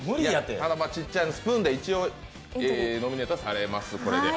ただ、ちっちゃいなスプーンでノミネートされます。